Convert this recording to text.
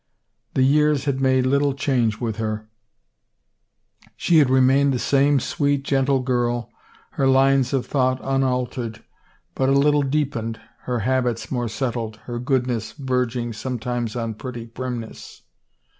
The years had made little change with her ; she had remained the same, sweet, gentle girl, her lines of thought unal tered, but a little deepened, her habits more settled, her goodness verging sometimes on pretty primness.